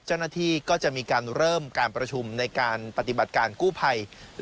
เจ้าหน้าที่ก็จะมีการเริ่มการประชุมในการปฏิบัติการกู้ภัย